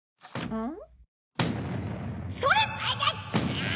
うん。